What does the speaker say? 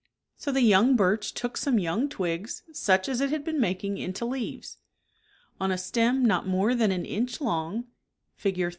So the young birch took some young twigs, such as it had been making into leaves. On a stem not more than an inch long, (Fig.